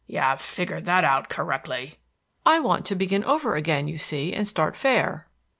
"You have figured that out correctly." "I want to begin over again, you see, and start fair."